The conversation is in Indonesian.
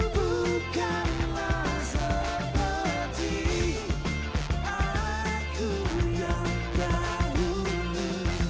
bukanlah seperti alatku yang dahulu